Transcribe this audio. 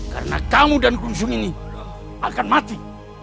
karena kamu dan gunsung ini akan mati